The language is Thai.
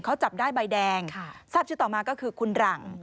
เขาจับได้ใบแดงทราบชื่อต่อมาก็คือคุณหลัง